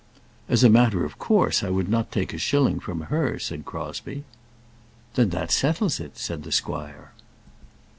"As a matter of course, I would not take a shilling from her," said Crosbie. "Then that settles it," said the squire.